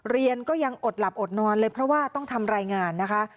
เรียนก็ยังอดหลับอดนอนเลยเพราะว่าต้องทำรายงานนะคะ